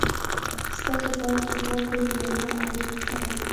ستاسو په اند د اسلام ډېره مهمه اغیزه څه وه؟